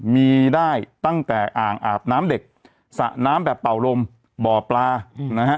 มีได้ตั้งแต่อ่างอาบน้ำเด็กสระน้ำแบบเป่าลมบ่อปลานะฮะ